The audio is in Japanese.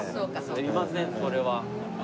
すいませんそれは。